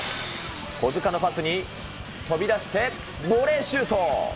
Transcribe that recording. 小塚のパスに飛び出して、ボレーシュート。